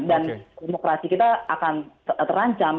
dan demokrasi kita akan terancam